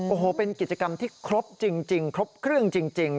โอ้โหเป็นกิจกรรมที่ครบจริงครบเครื่องจริง